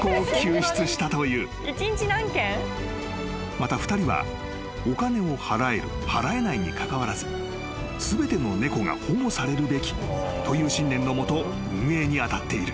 ［また２人はお金を払える払えないにかかわらず全ての猫が保護されるべきという信念の下運営に当たっている］